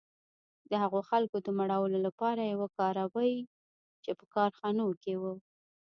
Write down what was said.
د هغو خلکو د مړولو لپاره یې وکاروي چې په کارخانو کې وو